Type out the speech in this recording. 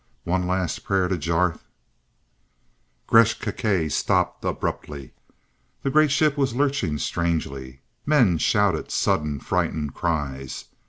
One last prayer to Jarth Gresth Gkae stopped abruptly. The great ship was lurching strangely. Men shouted sudden, frightened cries.